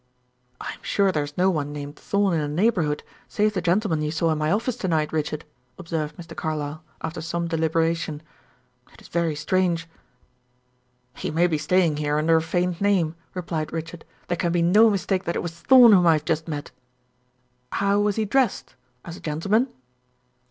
"I am sure there is no one named Thorn in the neighborhood, save the gentleman you saw in my office to night, Richard," observed Mr. Carlyle, after some deliberation. "It is very strange." "He may be staying here under a feigned name," replied Richard. "There can be no mistake that it was Thorn whom I have just met." "How was he dressed? As a gentleman?"